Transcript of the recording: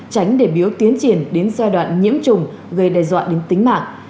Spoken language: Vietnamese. tránh để biếu tiến triển đến giai đoạn nhiễm trùng gây đe dọa đến tính mạng